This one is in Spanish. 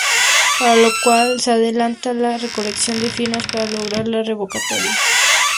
Para lo cual se adelanta la recolección de firmas para lograr la revocatoria.